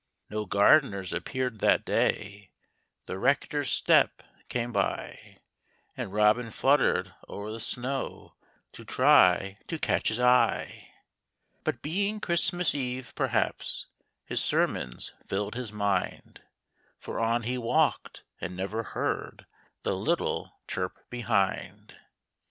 No gardeners appeared that day : The Rector's step came by, And Robin fluttered o'er the snow To try to catch his eye. But being Christmas eve, perhaps His sermons filled his mind, For on he walked, and never heard The little chirp behind.